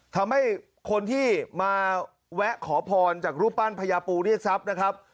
ทำให้คนที่มาแวะขอพรจากรูปปั้นพญาปูเรียกทรัพย์นะครับ